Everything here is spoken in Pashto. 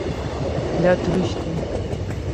دا تروش دی